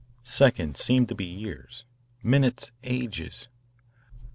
Seconds seemed to be years; minutes ages.